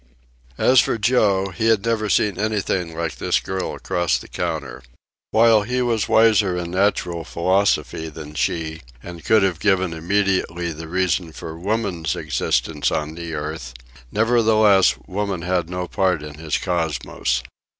As for Joe, he had never seen anything like this girl across the counter. While he was wiser in natural philosophy than she, and could have given immediately the reason for woman's existence on the earth, nevertheless woman had no part in his cosmos.